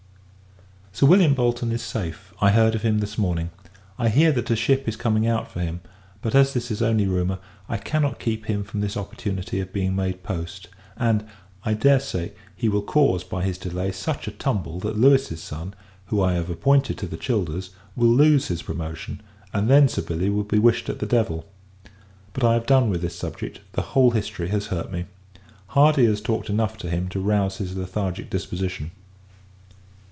Sir William Bolton is safe, I heard of him this morning. I hear, that a ship is coming out for him; but, as this is only rumour, I cannot keep him from this opportunity of being made post: and, I dare say, he will cause, by his delay, such a tumble, that Louis's son, who I have appointed to the Childers, will lose his promotion; and, then Sir Billy will be wished at the devil! But, I have done with this subject; the whole history has hurt me. Hardy has talked enough to him, to rouze his lethargic disposition.